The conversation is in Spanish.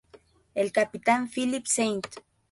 El capitán Philip St.